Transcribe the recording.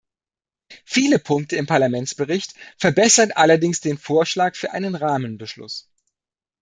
Viele Punkte im Parlamentsbericht verbessern allerdings den Vorschlag für einen Rahmenbeschluss.